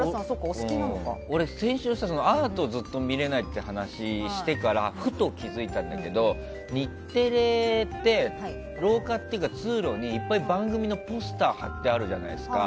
先週、俺アートをずっと見れないっていう話をしてからふと気づいたんだけど日テレって廊下っていうか通路に、いっぱい番組のポスター貼ってあるじゃないですか。